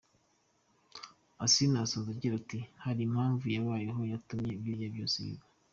Asinah asoza agira ati “Hari impamvu yabayeho yatumye biriya byose biba.”